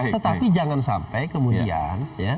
tetapi jangan sampai kemudian